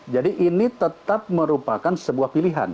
jadi ini tetap merupakan sebuah pilihan